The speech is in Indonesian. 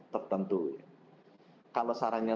tertentu kalau sarannya